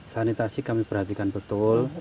sanitasi kami perhatikan betul